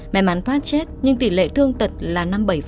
mẹ mắn thoát chết nhưng tỷ lệ thương tật là năm mươi bảy